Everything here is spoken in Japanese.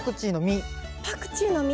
パクチーの実。